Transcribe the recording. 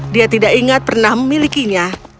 dia tidak ingat pernah memilikinya